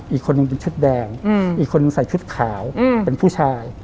อีกคนนึงเป็นชุดแดงอีกคนใส่ชุดขาวเป็นผู้ชาย